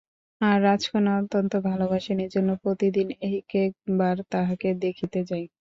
আর রাজকন্যা অত্যন্ত ভালবাসেন এজন্য প্রতিদিন এক এক বার তাঁহাকে দেখিতে যাই।